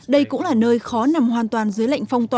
đây cũng là nơi khó nằm hoàn toàn dưới lệnh phong tỏa